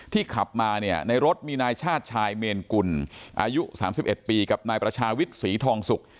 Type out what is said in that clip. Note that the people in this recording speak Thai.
ขับมาเนี่ยในรถมีนายชาติชายเมนกุลอายุ๓๑ปีกับนายประชาวิทย์ศรีทองสุก